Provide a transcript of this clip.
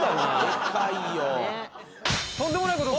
でかいよ。